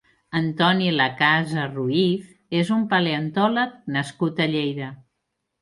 Antoni Lacasa-Ruiz és un paleontòleg nascut a Lleida.